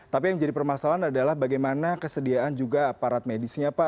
tapi yang menjadi permasalahan adalah bagaimana kesediaan juga aparat medisnya pak